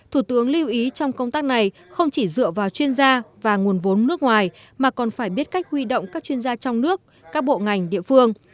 thủ tướng lưu ý trong công tác này không chỉ dựa vào chuyên gia và nguồn vốn nước ngoài mà còn phải biết cách huy động các chuyên gia trong nước các bộ ngành địa phương